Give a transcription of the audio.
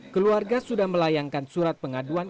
keluarga sudah melayangkan surat pengaduan